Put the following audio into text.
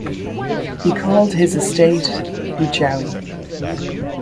He called his estate "Boochowee".